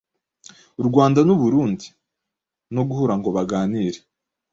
u Rwanda n'u Burundi, no guhura ngo baganire